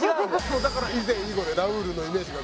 もうだから以前以後でラウールのイメージが変わった。